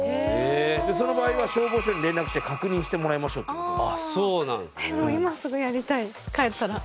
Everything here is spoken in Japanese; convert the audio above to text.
その場合は消防署に連絡して確認してもらいましょうという事で。